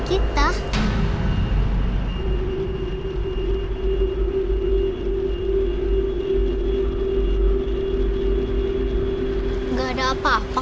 gak ada apa apa